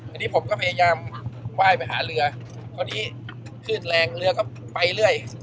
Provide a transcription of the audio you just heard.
อันนี้ผมก็พยายามไหว้ไปหาเรือพอดีขึ้นแรงเรือก็ไปเรื่อย